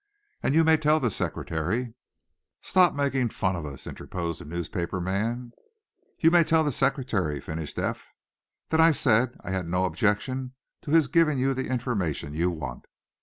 And you may tell the Secretary " "Stop making fun of us," interposed a newspaper man. "You may tell the Secretary," finished Eph, "that I said I had no objection to his giving you the information you want."